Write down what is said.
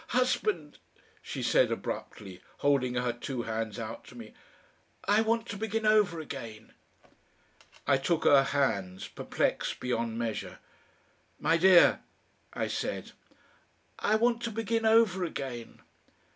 "Husband," she said abruptly, holding her two hands out to me, "I want to begin over again!" I took her hands, perplexed beyond measure. "My dear!" I said. "I want to begin over again."